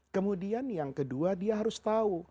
kemudian yang kedua dia harus tahu